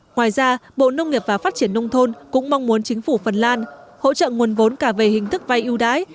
ngoài ra bộ nông nghiệp và phát triển nông thôn cũng mong muốn chính phủ phần lan hỗ trợ nguồn vốn cả về hình thức vay ưu đãi